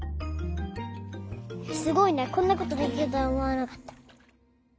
すごいねこんなことできるとはおもわなかった。